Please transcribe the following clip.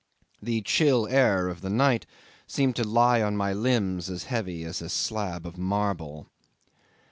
The chill air of the night seemed to lie on my limbs as heavy as a slab of marble.